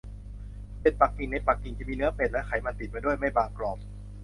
เป็ดปักกิ่งในปักกิ่งจะมีเนื้อเป็ดและไขมันติดมาด้วย ไม่บางกรอบ